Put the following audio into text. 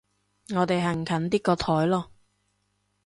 我哋行近啲個台囉